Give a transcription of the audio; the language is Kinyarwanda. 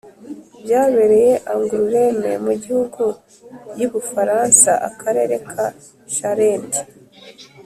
byabereye angoulême, mu gihugu y'u bufaransa, akarere ka charente,